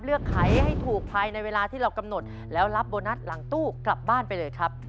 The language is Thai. ขายให้ถูกภายในเวลาที่เรากำหนดแล้วรับโบนัสหลังตู้กลับบ้านไปเลยครับ